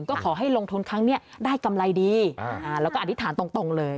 ก็ขอให้ลงทุนครั้งนี้ได้กำไรดีแล้วก็อธิษฐานตรงเลย